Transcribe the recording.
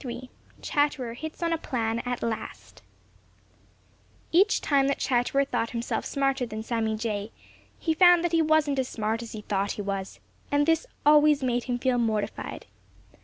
*XXIII* *CHATTERER HITS ON A PLAN AT LAST* Each time that Chatterer thought himself smarter than Sammy Jay, he found that he wasn't as smart as he thought he was, and this always made him feel mortified.